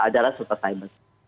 darat super timers